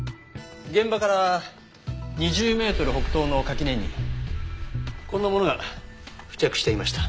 現場から２０メートル北東の垣根にこんなものが付着していました。